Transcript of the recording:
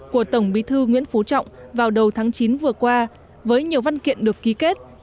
của tổng bí thư nguyễn phú trọng vào đầu tháng chín vừa qua với nhiều văn kiện được ký kết